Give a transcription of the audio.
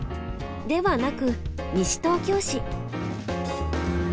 ではなく西東京市。